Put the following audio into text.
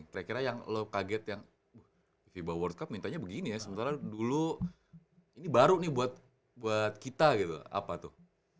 kira kira yang lo kaget yang fiba world cup mintanya begini ya sementara dulu ini baru nih buat kita gitu apa tuh